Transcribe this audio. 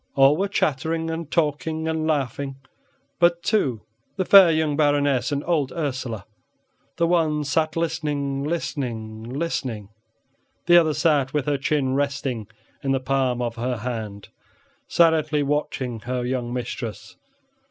All were chattering and talking and laughing but two the fair young Baroness and old Ursela; the one sat listening, listening, listening, the other sat with her chin resting in the palm of her hand, silently watching her young mistress.